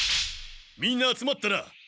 みんな集まったな？